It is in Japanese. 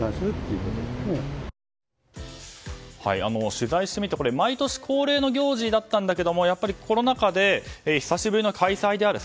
取材してみて毎年恒例の行事だったんだけどやっぱりコロナ禍で久しぶりの開催である。